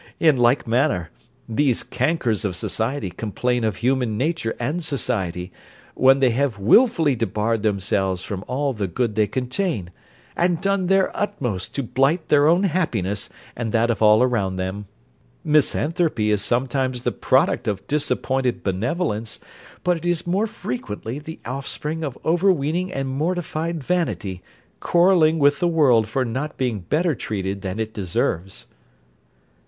In like manner, these cankers of society complain of human nature and society, when they have wilfully debarred themselves from all the good they contain, and done their utmost to blight their own happiness and that of all around them. Misanthropy is sometimes the product of disappointed benevolence; but it is more frequently the offspring of overweening and mortified vanity, quarrelling with the world for not being better treated than it deserves.